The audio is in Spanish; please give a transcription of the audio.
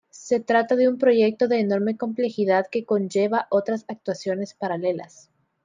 Se trata de un proyecto de enorme complejidad que conlleva otras actuaciones paralelas.